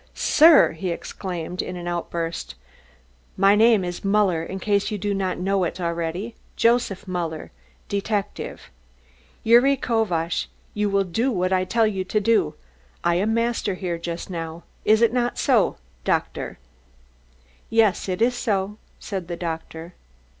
"Sir!" he exclaimed in an outburst. "My name is Muller, in case you do not know it already, Joseph Muller, detective. Gyuri Kovacz, you will do what I tell you to! I am master here just now. Is it not so, doctor?" "Yes, it is so," said the doctor.